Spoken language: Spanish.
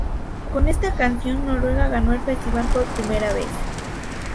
Con esta canción Noruega ganó el festival por primera vez.